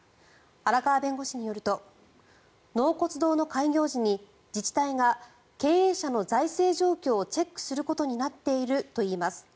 荒川弁護士によると納骨堂の開業時に自治体が経営者の財政状況をチェックすることになっているといいます。